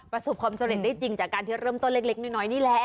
ประสบความสำเร็จได้จริงจากการที่เริ่มต้นเล็กน้อยนี่แหละ